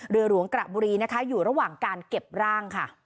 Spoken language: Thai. เรือหลวงกระบุรีนะคะอยู่ระหว่างการเก็บร่างค่ะ